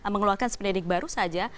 mengeluarkan sprendik baru saja